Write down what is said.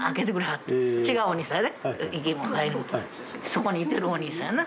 そこにいてるお兄さんやな。